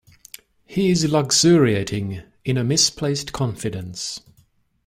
He is luxuriating in a misplaced confidence.